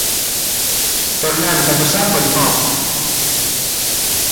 Tornant a passar pel foc.